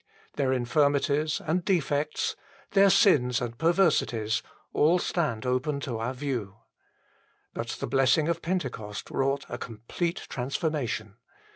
Their infirmities and defects, their sins and perversities, all stand open to our view. But the blessing of Pente cost wrought a complete transformation.